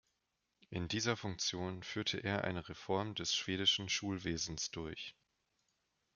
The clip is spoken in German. In dieser Funktion führte er eine Reform des schwedischen Schulwesens durch.